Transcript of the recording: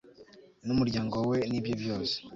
n'umuryango we, n'ibye byose